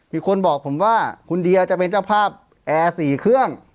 มีคนบอกผมว่าคุณเดียจะเป็นเจ้าภาพแอร์๔เครื่อง